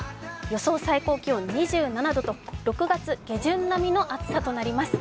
予想最高気温２７度と６月下旬並みの暑さとなります。